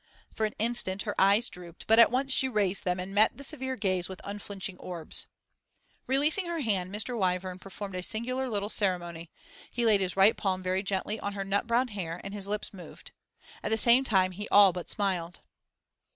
For an instant her eyes drooped, but at once she raised them and met the severe gaze with unflinching orbs. Releasing her hand, Mr. Wyvern performed a singular little ceremony: he laid his right palm very gently on her nutbrown hair, and his lips moved. At the same time he all but smiled.